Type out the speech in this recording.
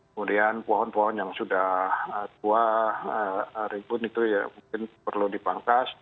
kemudian pohon pohon yang sudah tua rimbun itu ya mungkin perlu dipangkas